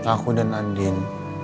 aku dan andin